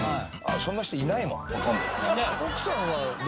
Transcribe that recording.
「そんな人いないもんほとんど」